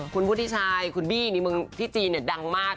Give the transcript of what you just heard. คุณผู้ที่ชายคุณบี้นี่มึงที่จีนเนี่ยดังมากนะ